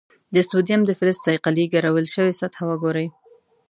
د سوډیم د فلز صیقلي ګرول شوې سطحه وګورئ.